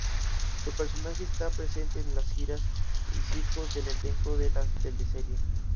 Su personaje está presente en las giras y circos del elenco de la teleserie.